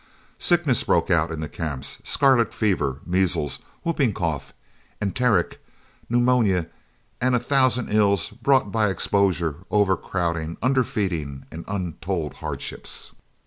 Sickness broke out in the camps scarlet fever, measles, whooping cough, enteric, pneumonia, and a thousand ills brought by exposure, overcrowding, underfeeding, and untold hardships.